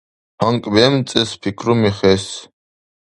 ГьанкӀ бемцӀес, пикруми хес.